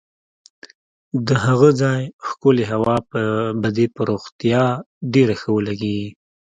د هغه ځای ښکلې هوا به دې پر روغتیا ډېره ښه ولګېږي.